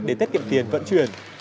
để tiết kiệm tiền vận chuyển